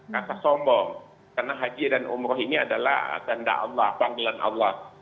rasa sombong karena haji dan umroh ini adalah tanda allah panggilan allah